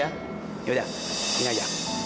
ya udah ini aja